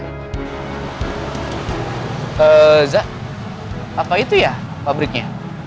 zak apa itu ya pabriknya